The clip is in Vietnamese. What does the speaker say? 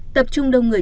tập trung đông người